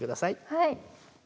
はい。